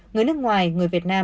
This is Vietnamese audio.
người nước ngoài người việt nam